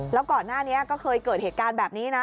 แล้วก่อนหน้านี้ก็เคยเกิดเหตุการณ์แบบนี้นะ